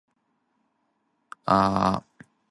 唔好意思啊，我哋洗手間唔外借。